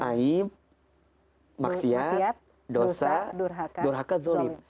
aib maksiat dosa durhaka zolim